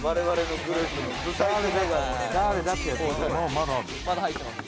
まだ入ってます。